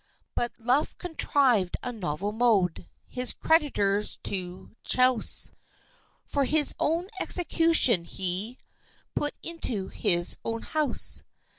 But Luff contrived a novel mode His creditors to chouse; For his own execution he Put into his own house!